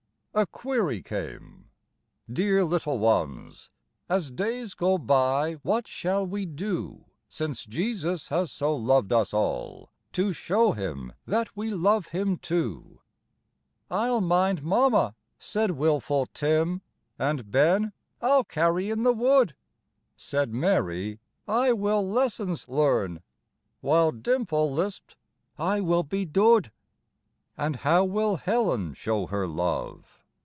A query came: Dear little ones, As days go by what shall we do Since Jesus has so loved us all To show him that we love him too? "I'll mind mama," said wilful Tim; And Ben, "I'll carry in the wood;" Said Mary, "I will lessons learn;" While Dimple lisped, "I will be dood." And how will Helen show her love?